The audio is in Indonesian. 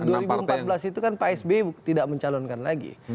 dan dua ribu empat belas itu kan pak s b tidak mencalonkan lagi